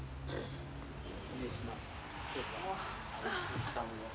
失礼します。